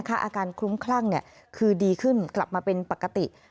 อาการคลุ้มคลั่งคือดีขึ้นกลับมาเป็นปกติ